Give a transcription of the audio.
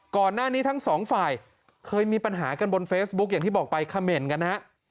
ก่อนหน้านี้ทั้งสองฝ่ายเคยมีปัญหากันบนเฟซบุ๊กอย่างที่บอกไปคำเมนต์กันนะฮะ